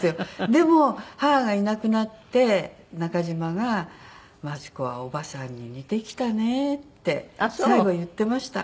でも母がいなくなって中嶋が「真知子はおばさんに似てきたね」って最後言ってました。